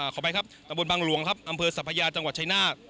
ขอไปครับตำบลบังหลวงครับอำเภอสัพยาจังหวัดชายนาฏ